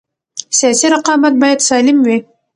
سیاسي رقابت باید سالم وي